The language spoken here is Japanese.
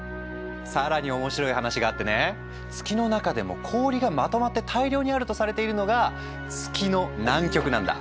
更に面白い話があってね月の中でも氷がまとまって大量にあるとされているのが「月の南極」なんだ。